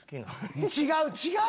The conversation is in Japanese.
違う違う！